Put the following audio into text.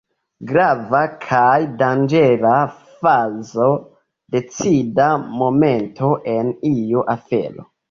Grava kaj danĝera fazo, decida momento en iu afero.